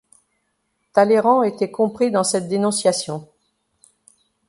Talleyrand était compris dans cette dénonciation.